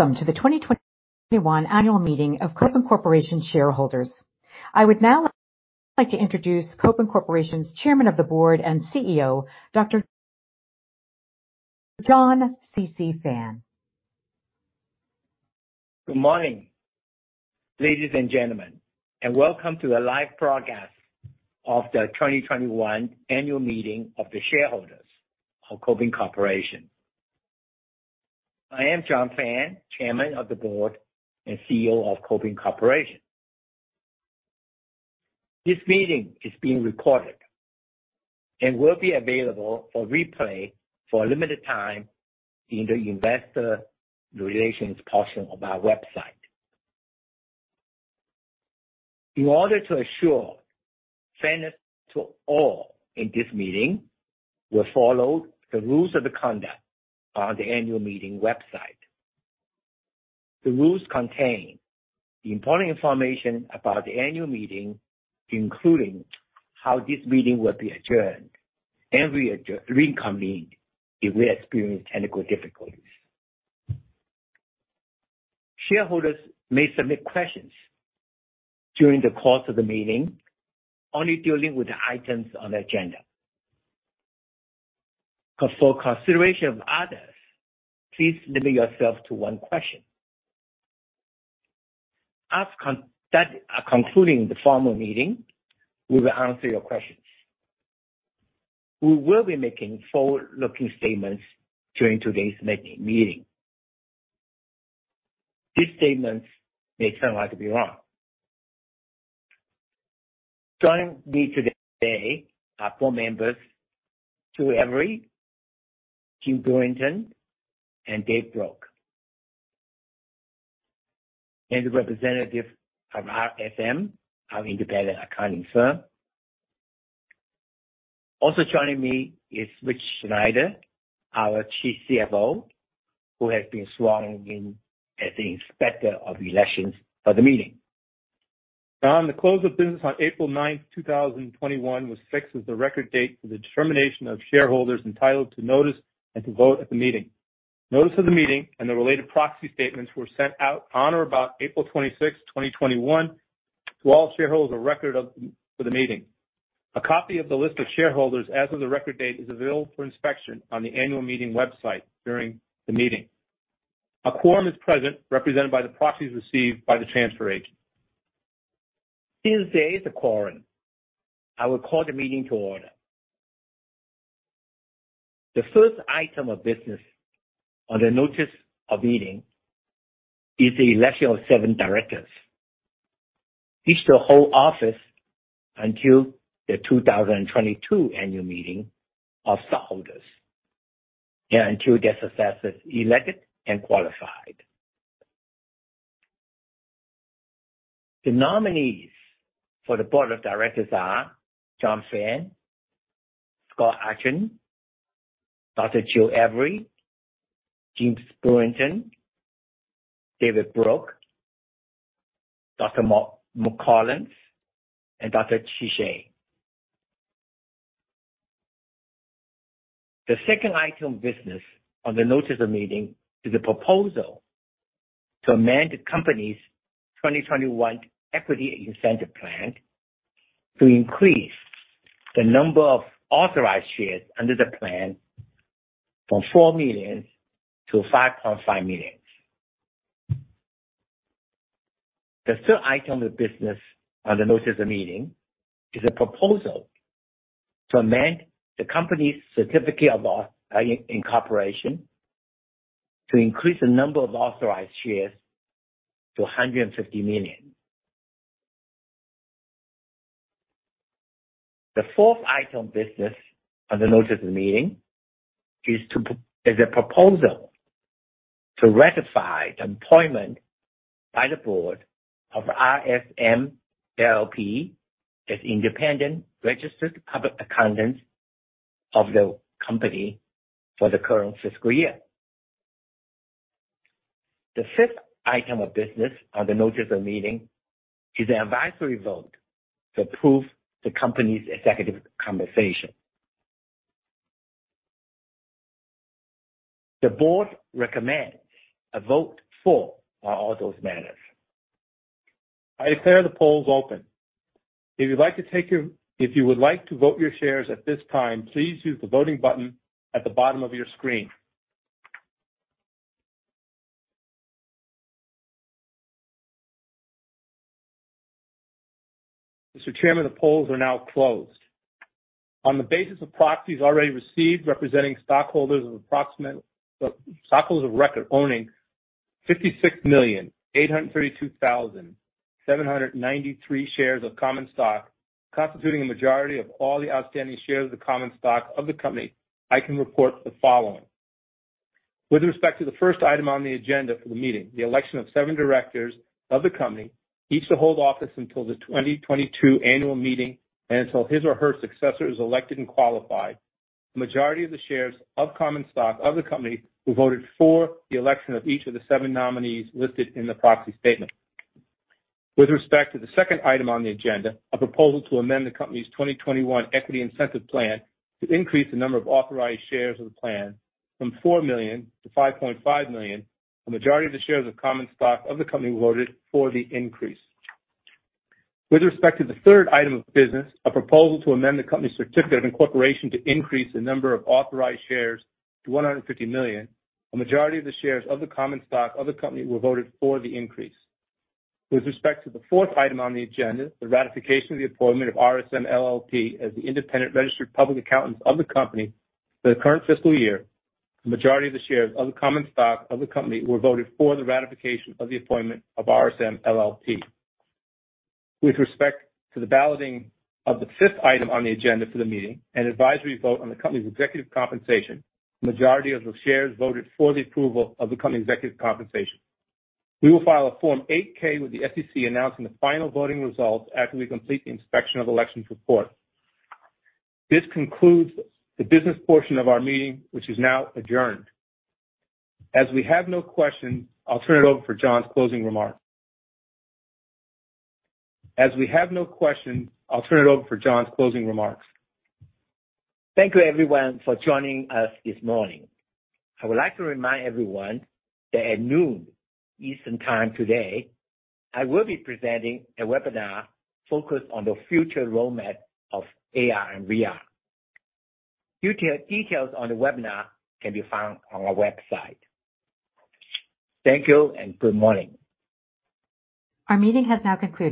Welcome to the 2021 annual meeting of Kopin Corporation shareholders. I would now like to introduce Kopin Corporation's Chairman of the Board and CEO, Dr. John C.C. Fan. Good morning, ladies and gentlemen, and welcome to the live broadcast of the 2021 annual meeting of the shareholders of Kopin Corporation. I am John Fan, Chairman of the Board and CEO of Kopin Corporation. This meeting is being recorded and will be available for replay for a limited time in the investor relations portion of our website. In order to assure fairness to all in this meeting, we'll follow the rules of conduct on the annual meeting website. The rules contain important information about the annual meeting, including how this meeting will be adjourned and reconvened if we experience technical difficulties. Shareholders may submit questions during the course of the meeting only dealing with the items on the agenda. For consideration of others, please limit yourself to one question. After concluding the formal meeting, we will answer your questions. We will be making forward-looking statements during today's meeting. These statements may turn out to be wrong. Joining me today are four members, Jill Avery, James Brewington, and Dave Brook, and the representative from RSM, our independent accounting firm. Also joining me is Richard Sneider, our chief CFO, who has been sworn in as the inspector of elections for the meeting. On the close of business on April 9th, 2021, was fixed as the record date for the determination of shareholders entitled to notice and to vote at the meeting. Notice of the meeting and the related proxy statements were sent out on or about April 26, 2021, to all shareholders of record for the meeting. A copy of the list of shareholders as of the record date is available for inspection on the annual meeting website during the meeting. A quorum is present, represented by the proxies received by the transfer agent. Since there is a quorum, I will call the meeting to order. The first item of business on the notice of meeting is the election of seven directors, each to hold office until the 2022 annual meeting of stockholders and until their successors are elected and qualified. The nominees for the board of directors are John C.C. Fan, Scott Anchin, Dr. Jill Avery, James Brewington, Dave Brook, Dr. Mark McCullough, and Dr. Qi Xie. The second item of business on the notice of meeting is a proposal to amend the company's 2021 Equity Incentive Plan to increase the number of authorized shares under the plan from 4 million to 5.5 million. The third item of business on the notice of the meeting is a proposal to amend the company's certificate of incorporation to increase the number of authorized shares to 150 million. The fourth item of business on the notice of the meeting is a proposal to ratify the appointment by the board of RSM LLP as independent registered public accountants of the company for the current fiscal year. The fifth item of business on the notice of the meeting is an advisory vote to approve the company's executive compensation. The board recommends a vote for on all those matters. I declare the polls open. If you would like to vote your shares at this time, please use the voting button at the bottom of your screen. Mr. Chairman, the polls are now closed. On the basis of proxies already received, representing stockholders of record owning 56,832,793 shares of common stock, constituting the majority of all the outstanding shares of the common stock of the company, I can report the following. With respect to the first item on the agenda for the meeting, the election of seven directors of the company, each to hold office until the 2022 Annual Meeting and until his or her successor is elected and qualified, the majority of the shares of common stock of the company who voted for the election of each of the seven nominees listed in the proxy statement. With respect to the second item on the agenda, a proposal to amend the company's 2021 Equity Incentive Plan to increase the number of authorized shares of the plan from $4 million-$5.5 million, the majority of the shares of common stock of the company voted for the increase. With respect to the third item of business, a proposal to amend the company's certificate of incorporation to increase the number of authorized shares to $150 million, a majority of the shares of the common stock of the company were voted for the increase. With respect to the fourth item on the agenda, the ratification of the appointment of RSM LLP as the independent registered public accountants of the company for the current fiscal year, the majority of the shares of the common stock of the company were voted for the ratification of the appointment of RSM LLP. With respect to the balloting of the fifth item on the agenda for the meeting, an advisory vote on the company's executive compensation, the majority of the shares voted for the approval of the company executive compensation. We will file a Form 8-K with the SEC announcing the final voting results after we complete the inspection of elections report. This concludes the business portion of our meeting, which is now adjourned. As we have no questions, I'll turn it over for John's closing remarks. Thank you everyone for joining us this morning. I would like to remind everyone that at 12:00 P.M. Eastern Time today, I will be presenting a webinar focused on the future roadmap of AR and VR. Details on the webinar can be found on our website. Thank you and good morning. Our meeting has now concluded.